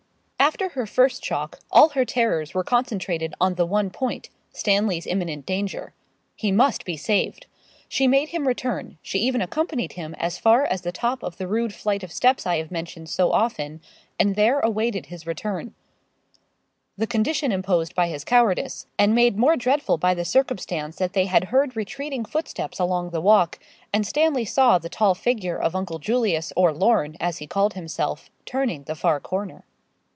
After her first shock, all her terrors were concentrated on the one point Stanley's imminent danger. He must be saved. She made him return; she even accompanied him as far as the top of the rude flight of steps I have mentioned so often, and there awaited his return the condition imposed by his cowardice and made more dreadful by the circumstance that they had heard retreating footsteps along the walk, and Stanley saw the tall figure of Uncle Julius or Lorne, as he called himself, turning the far corner.